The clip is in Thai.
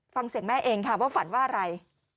ฟังเสียงแม่เองค่ะว่าฝันว่าอะไร